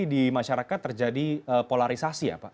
di masyarakat terjadi polarisasi ya pak